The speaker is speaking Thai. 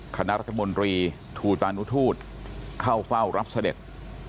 คณะรัฐมนตรีทูตานุทูตเข้าเฝ้ารับเสด็จ